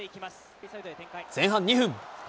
前半２分。